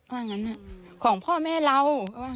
ว่างั้นของพ่อแม่เรา